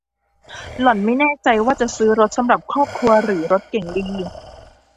หล่อนไม่แน่ใจว่าจะซื้อรถสำหรับครอบครัวหรือรถเก๋งดี